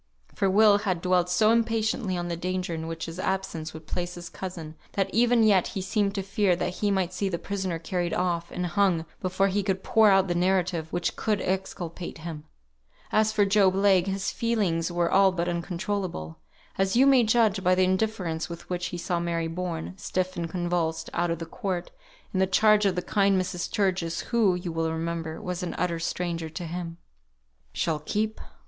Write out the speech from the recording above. For Will had dwelt so impatiently on the danger in which his absence would place his cousin, that even yet he seemed to fear that he might see the prisoner carried off, and hung, before he could pour out the narrative which would exculpate him. As for Job Legh, his feelings were all but uncontrollable; as you may judge by the indifference with which he saw Mary borne, stiff and convulsed, out of the court, in the charge of the kind Mrs. Sturgis, who, you will remember, was an utter stranger to him. "She'll keep!